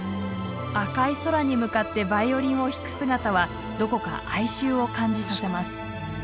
赤い空に向かってヴァイオリンを弾く姿はどこか哀愁を感じさせます。